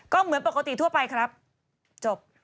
ก็เหมือนปกติทั่วไปครับจบ